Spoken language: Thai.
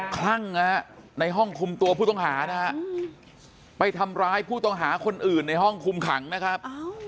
คลั่งนะฮะในห้องคุมตัวผู้ต้องหานะฮะไปทำร้ายผู้ต้องหาคนอื่นในห้องคุมขังนะครับ